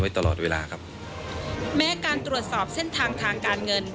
แม้การตรวจสอบเส้นทางทางการเงิน